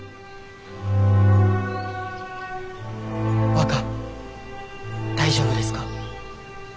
若大丈夫ですか？